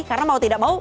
karena mau tidak mau